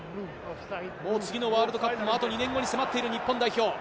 次のワールドカップをあと２年後に迫っている日本代表。